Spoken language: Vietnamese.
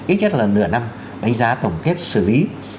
ít nhất là nửa năm đánh giá tổng kết xử lý